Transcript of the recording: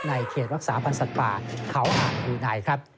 เขตรักษาพันธ์สัตว์ป่าเขาอ่างรืนัยครับ